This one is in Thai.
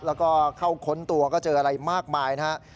แล้วก็เข้าค้นตัวก็เจออะไรมากมายนะครับ